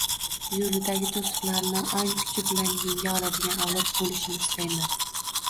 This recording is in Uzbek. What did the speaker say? yo‘lidagi to‘siqlarni ong kuchi bilan yenga oladigan avlod bo‘lishini istayman.